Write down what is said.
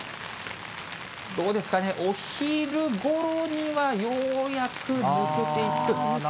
どうですかね、お昼ごろにはようやく抜けていく。